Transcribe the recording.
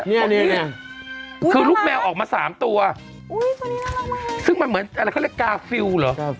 นี่ไงคือลูกแมวออกมา๓ตัวซึ่งมันเหมือนอะไรเขาเรียกกาฟิลเหรอ